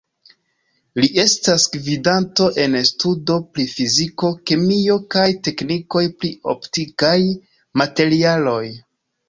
Li estas gvidanto en studo pri fiziko, kemio kaj teknikoj pri optikaj materialoj.